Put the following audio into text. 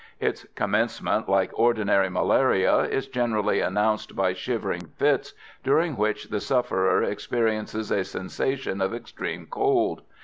Its commencement, like ordinary malaria, is generally announced by shivering fits, during which the sufferer experiences a sensation of extreme cold.